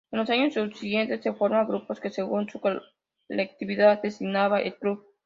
En los años subsiguientes se formaron grupos, que según su colectividad designaban el Club.